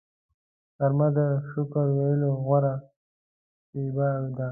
غرمه د شکر ویلو غوره شیبه ده